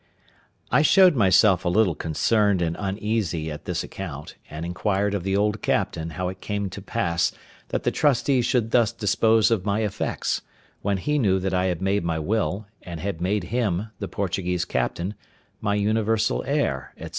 I showed myself a little concerned and uneasy at this account, and inquired of the old captain how it came to pass that the trustees should thus dispose of my effects, when he knew that I had made my will, and had made him, the Portuguese captain, my universal heir, &c.